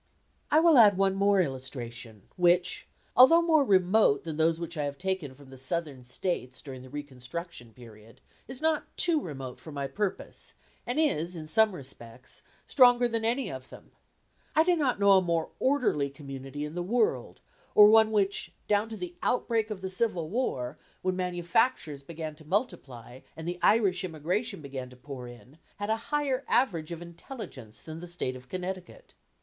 I will add one more illustration which, although more remote than those which I have taken from the Southern States during the reconstruction period, is not too remote for my purpose, and is in some respects stronger than any of them. I do not know a more orderly community in the world, or one which, down to the outbreak of the Civil War, when manufactures began to multiply, and the Irish immigration began to pour in, had a higher average of intelligence than the State of Connecticut.